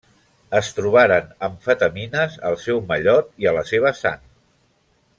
Es trobaren amfetamines al seu mallot i a la seva sang.